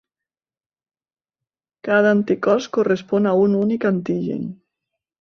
Cada anticòs correspon a un únic antigen.